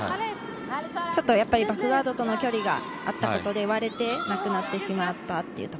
ちょっとバックガードとの距離があったことで割れてなくなってしまった。